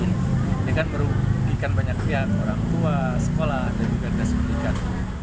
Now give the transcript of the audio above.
ini kan merugikan banyak pihak orang tua sekolah dan juga dinas pendidikan